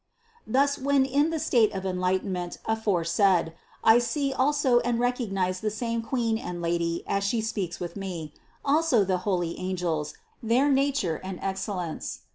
22. Thus, when in the state of enlightenment afore said, I see also and recognize the same Queen and Lady as She speaks with me ; also the holy angels, their na ture and excellence.